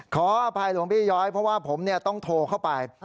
ขออภัยหลวงพี่ย้อยเพราะว่าผมต้องโทรเข้าไป